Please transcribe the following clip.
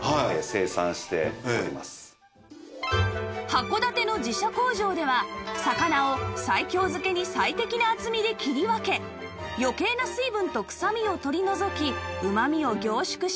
函館の自社工場では魚を西京漬けに最適な厚みで切り分け余計な水分と臭みを取り除きうまみを凝縮します